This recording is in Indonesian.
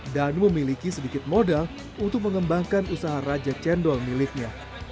danu memiliki sedikit modal untuk mengembangkan usaha raja cendol miliknya